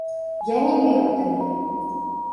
Я не веру табе!